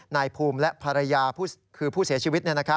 นายภูมิและภรรยาคือผู้เสียชีวิต